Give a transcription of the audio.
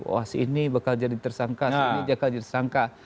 wah si ini bakal jadi tersangka si ini bakal jadi tersangka